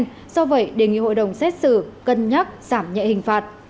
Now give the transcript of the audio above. do vậy đề nghị hội đồng xét xử cân nhắc giảm nhẹ hình phạt